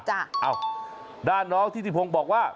จ้าอ้าวด้านน้องที่ถิพงศ์บอกว่า